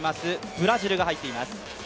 ブラジルが入っています。